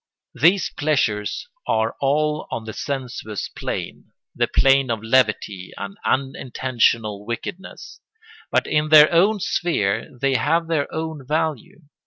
These pleasures are all on the sensuous plane, the plane of levity and unintentional wickedness; but in their own sphere they have their own value.